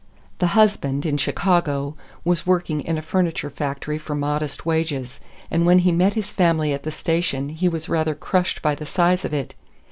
The husband, in Chicago, was working in a furniture factory for modest wages, and when he met his family at the station he was rather crushed by the size of it.